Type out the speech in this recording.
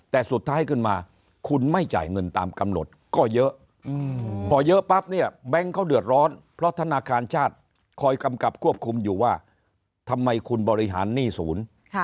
แต่สุดท้ายขึ้นมาคุณไม่จ่ายเงินตามกำหนดก็เยอะพอเยอะปั๊บเนี่ยแบงค์เขาเดือดร้อนเพราะธนาคารชาติคอยกำกับควบคุมอยู่ว่าทำไมคุณบริหารหนี้ศูนย์